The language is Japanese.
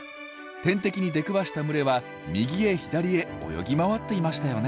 天敵に出くわした群れは右へ左へ泳ぎ回っていましたよね。